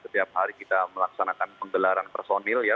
setiap hari kita melaksanakan penggelaran personil ya